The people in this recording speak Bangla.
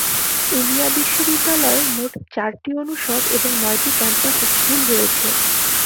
উমিয়া বিশ্ববিদ্যালয়ে মোট চারটি অনুষদ এবং নয়টি ক্যাম্পাস স্কুল রয়েছে।